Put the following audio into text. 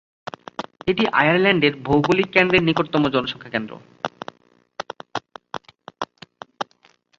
এটি আয়ারল্যান্ডের ভৌগোলিক কেন্দ্রের নিকটতম জনসংখ্যা কেন্দ্র।